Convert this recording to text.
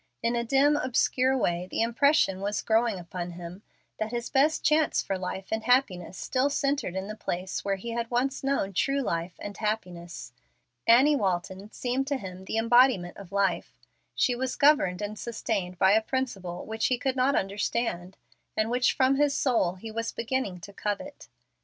In a dim, obscure way the impression was growing upon him that his best chance for life and happiness still centred in the place where he had once known true life and happiness. Annie Walton seemed to him the embodiment of life. She was governed and sustained by a principle which he could not understand, and which from his soul he was beginning to covet.